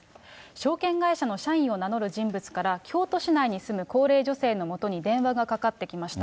証券会社の社員を名乗る人物から、京都市内に住む高齢女性のもとに電話がかかってきました。